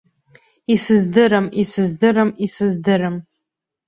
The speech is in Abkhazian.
Исыздырам, исыздырам, исыздырам!